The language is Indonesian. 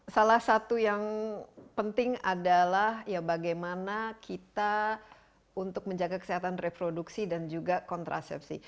salah satu yang penting adalah ya bagaimana kita untuk menjaga kesehatan reproduksi dan juga kontrasepsi